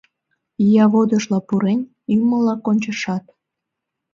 Ияводыжла пурен, ӱмылла кончышат.